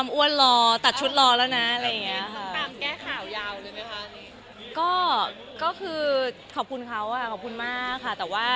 มีเยอะมากมีทั้งแบบเพื่อนคุณแม่